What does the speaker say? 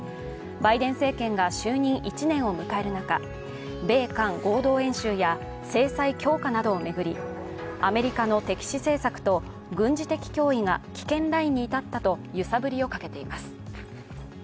バイデン政権が就任１年を迎える中米韓合同軍事演習や制裁強化などを巡り、アメリカの敵視政策と軍事的脅威が危険ラインに至ったと揺さぶりをかけています。